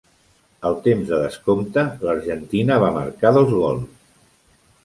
Al temps de descompte, l'Argentina va marcar dos gols.